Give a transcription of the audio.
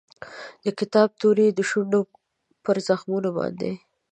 د کتاب توري یې د شونډو پر زخمونو باندې